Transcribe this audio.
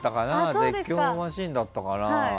絶叫マシンだったかな。